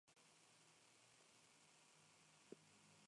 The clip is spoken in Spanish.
Incluye tres especiesː